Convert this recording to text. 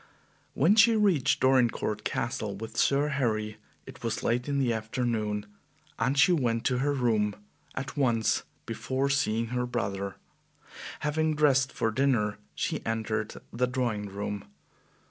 When she reached Dorincourt Castle with Sir Harry, it was late in the afternoon, and she went to her room at once before seeing her brother. Having dressed for dinner, she entered the drawing room.